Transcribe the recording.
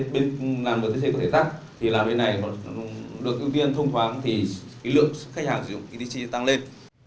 thì là bên này được ưu tiên thông thoáng thì lượng khách hàng dùng y tích sinh tăng lên